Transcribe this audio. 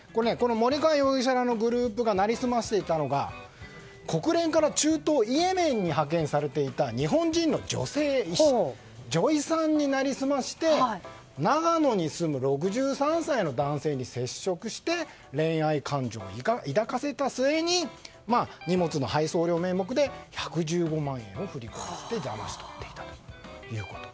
森川容疑者らのグループが成り済ましていたのが国連から中東イエメンに派遣されていた日本人の女性医師女医さんに成り済まして長野に住む６３歳の男性に接触して恋愛感情を抱かせた末に荷物の配送料名目で１１５万円を振り込ませてだまし取っていたということ。